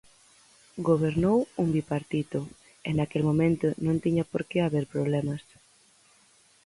Gobernou un bipartito, e naquel momento non tiña por que haber problemas.